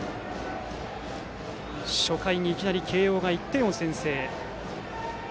初回にいきなり慶応が１点を先制。